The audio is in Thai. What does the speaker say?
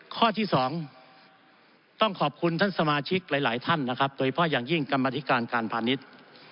ข้อที่๒ต้องขอบคุณท่านสมาชิกหลายท่านนะครับโดยเฉพาะอย่างยิ่งกรรมธิการการพาณิชย์